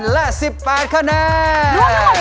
รวมทั้งหมดถึง๕๗คะแนน